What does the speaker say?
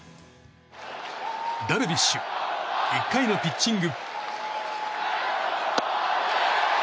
ダルビッシュ１回のピッチング。